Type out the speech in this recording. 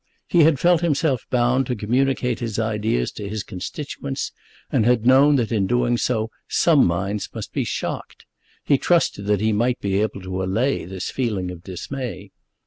He had felt himself bound to communicate his ideas to his constituents, and had known that in doing so some minds must be shocked. He trusted that he might be able to allay this feeling of dismay.